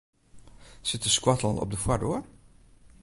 Sit de skoattel op de foardoar?